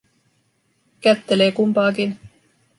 Kättelee kumpaakin.